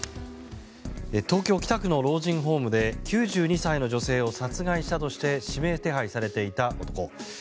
東京・北区の老人ホームで９２歳の女性を殺害したとして指名手配されていた男。